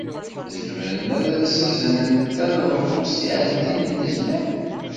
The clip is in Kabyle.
Zemren ad as-aznen taneḍfust i Ɛezdin n Tezmalt?